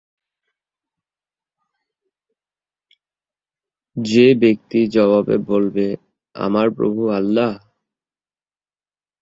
যে ব্যক্তি জবাবে বলবে, আমার প্রভু আল্লাহ!